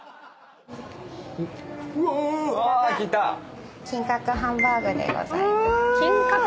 こちらが金格ハンバーグでございます。